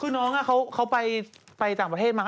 คือน้องเขาไปต่างประเทศมา